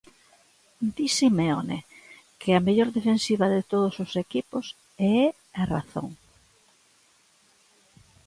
Di Simeone que a mellor defensiva de todos os equipos é a razón.